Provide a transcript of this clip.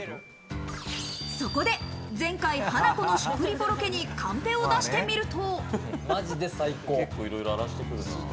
そこで前回、ハナコの食リポロケにカンペを出してみると。